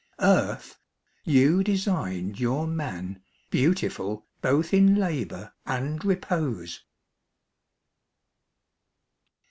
.. Earth, you designed your man Beautiful both in labour, and repose.